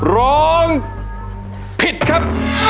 ร้องผิดครับ